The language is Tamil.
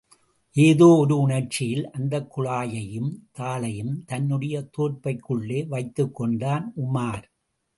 ஏதோ ஒரு உணர்ச்சியில், அந்தக் குழாயையும் தாளையும், தன்னுடைய தோற்பைக்குள்ளே வைத்துக் கொண்டான் உமார்.